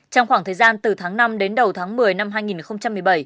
trong khoảng thời gian từ tháng năm đến đầu tháng một mươi năm hai nghìn một mươi bảy